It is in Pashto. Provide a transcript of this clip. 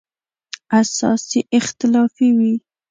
اساس یې اختلافي وي.